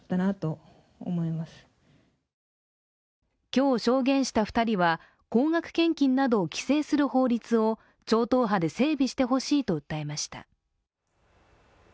今日証言した２人は、高額献金などを規制する法律を超党派で整備してほしいと訴えました。